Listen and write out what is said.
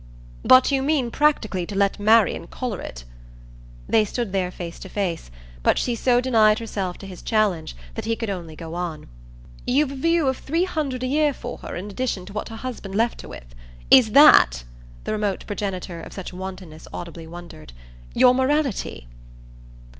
"But you mean practically to let Marian collar it?" They stood there face to face, but she so denied herself to his challenge that he could only go on. "You've a view of three hundred a year for her in addition to what her husband left her with? Is THAT," the remote progenitor of such wantonness audibly wondered, "your morality?"